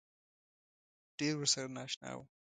ډېر ورسره نا اشنا وم.